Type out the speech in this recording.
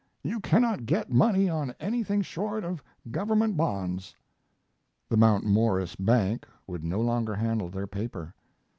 You cannot get money on anything short of government bonds." The Mount Morris Bank would no longer handle their paper.